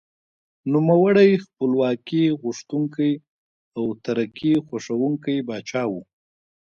نوموړی خپلواکي غوښتونکی او ترقي خوښوونکی پاچا و.